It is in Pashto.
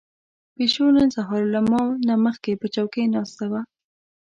پيشو نن سهار له ما نه مخکې په چوکۍ ناسته وه.